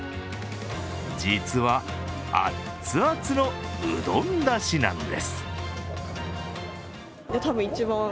実は、アッツアツのうどんだしなんです。